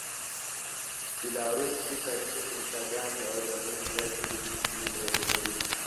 بیلاروس کې تاریخي کلیساګانې او ودانۍ زیاتې لیدونکي راجلبوي.